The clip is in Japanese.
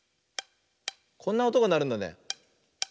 こんなおとがなるんだね。